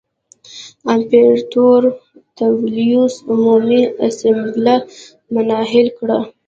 امپراتور تبریوس عمومي اسامبله منحل کړه